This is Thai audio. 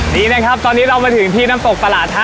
ดีนะครับตอนนี้เรามาถึงที่น้ำตกตลาดทะ